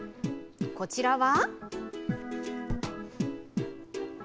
こちらは。